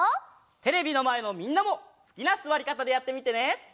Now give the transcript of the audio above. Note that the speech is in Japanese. テレビのまえのみんなもすきなすわりかたでやってみてね！